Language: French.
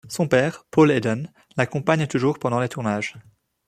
Son père, Paul Eden, l'accompagne toujours pendant les tournages.